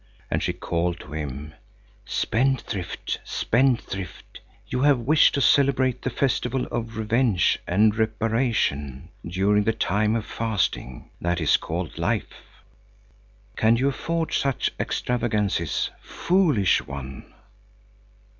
And she called to him: "Spendthrift, spendthrift! You have wished to celebrate the festival of revenge and reparation during the time of fasting, that is called life. Can you afford such extravagances, foolish one?"